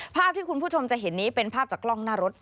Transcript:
ภาพที่คุณผู้ชมจะเห็นนี้เป็นภาพจากกล้องหน้ารถ